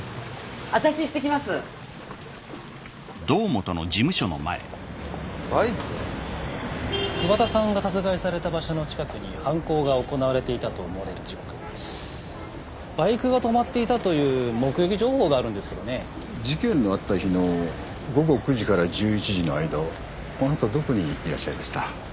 私行ってきます・バイク⁉・桑田さんが殺害された場所の近くに犯行が行われていたと思われる時刻バイクが止まっていたという目撃情報があるんですけどね事件のあった日の午後９時から１１時の間をあなたどこにいらっしゃいました？